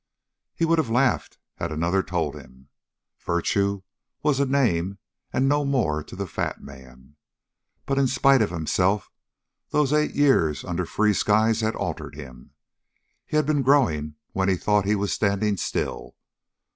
He would have laughed had another told him. Virtue was a name and no more to the fat man. But in spite of himself those eight years under free skies had altered him. He had been growing when he thought he was standing still.